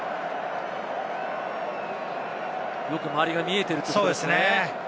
よく周りが見えているということですね。